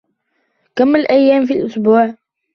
كم الأيام في الأسبوع ؟